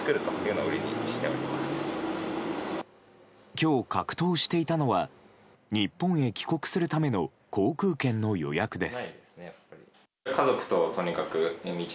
今日、格闘していたのは日本へ帰国するための航空券の予約です。